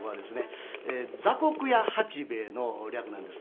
雑穀屋八兵衛の略なんです。